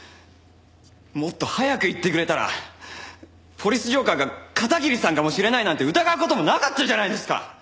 もっと早く言ってくれたら「ポリス浄化ぁ」が片桐さんかもしれないなんて疑う事もなかったじゃないですか！